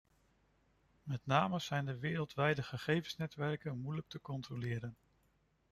Met name zijn de wereldwijde gegevensnetwerken moeilijk te controleren.